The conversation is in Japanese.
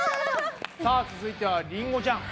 さあ続いてはりんごちゃん。